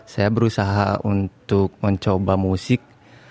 saya berusaha untuk mencoba musik